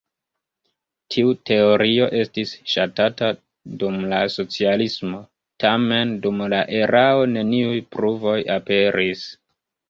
Tiu teorio estis ŝatata dum la socialismo, tamen dum la erao neniuj pruvoj aperis.